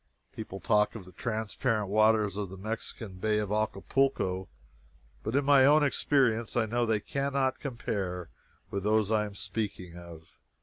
People talk of the transparent waters of the Mexican Bay of Acapulco, but in my own experience I know they cannot compare with those I am speaking of.